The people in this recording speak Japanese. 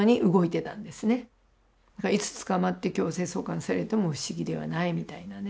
いつ捕まって強制送還されても不思議ではないみたいなね。